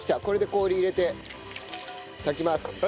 これで氷入れて炊きます。